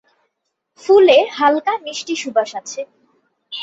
ফুলে হালকা মিষ্টি সুবাস আছে।